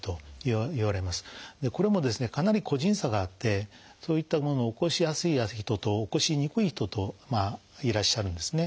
これもですねかなり個人差があってそういったものを起こしやすい人と起こしにくい人といらっしゃるんですね。